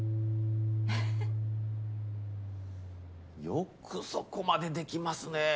よくそこまでできますね。